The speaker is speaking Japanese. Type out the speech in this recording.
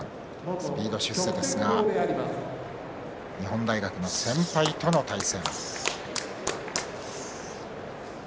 スピード出世ですが日本大学の先輩との対戦。